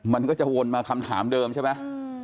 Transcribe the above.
มันก็จะวนมาคำถามเดิมใช่ไหม